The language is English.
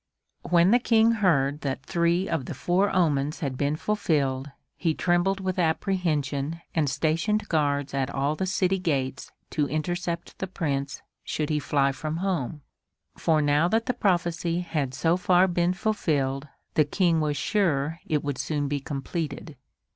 When the King heard that three of the four omens had been fulfilled, he trembled with apprehension and stationed guards at all the city gates to intercept the Prince should he fly from home; for now that the prophecy had so far been fulfilled the King was sure it would soon be completed.